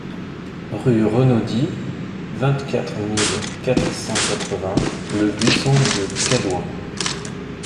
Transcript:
Rue Renaudie, vingt-quatre mille quatre cent quatre-vingts Le Buisson-de-Cadouin